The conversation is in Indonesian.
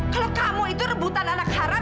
kalau kamu itu rebutan anak haram